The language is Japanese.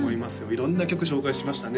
色んな曲紹介しましたね